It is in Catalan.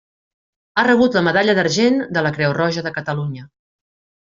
Ha rebut la medalla d'argent de la Creu Roja de Catalunya.